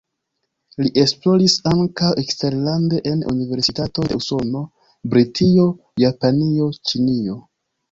Li esploris ankaŭ eksterlande en universitatoj de Usono, Britio, Japanio, Ĉinio.